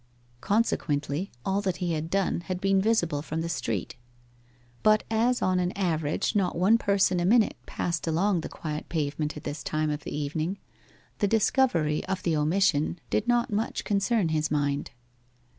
Consequently all that he had done had been visible from the street. But as on an average not one person a minute passed along the quiet pavement at this time of the evening, the discovery of the omission did not much concern his mind.